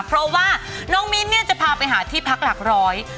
เพราะว่าน้องมิ้นเนี่ยจะพาไปหาที่พักหลักร้อย